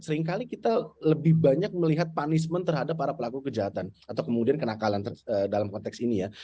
seringkali kita lebih banyak melihat punishment terhadap para pelaku kejahatan atau kemudian kenakalan dalam konteks ini ya